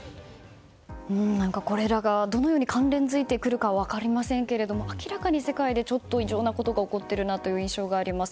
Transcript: これらがどのように関連づいてくるかは分かりませんけれど明らかに世界でちょっと異常なことが起こってるなという印象があります。